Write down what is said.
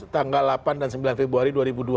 tanggal delapan dan sembilan februari dua ribu dua puluh